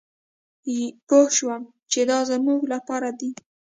پوه شوم چې دا زمونږ لپاره دي.